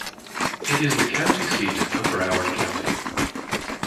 It is the county seat of Broward County.